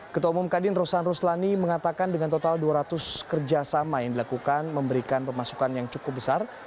ketua umum kadin rosan ruslani mengatakan dengan total dua ratus kerjasama yang dilakukan memberikan pemasukan yang cukup besar